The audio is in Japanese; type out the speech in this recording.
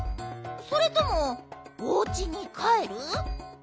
それともおうちにかえる？